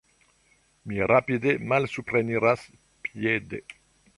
Mi rapide malsupreniras piede.